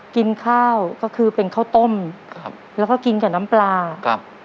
กินข้าวก็คือเป็นข้าวต้มครับแล้วก็กินกับน้ำปลาครับ